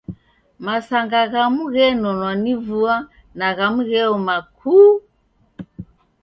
Masanga ghamu ghenonwa ni vua na ghamu gheoma kuu!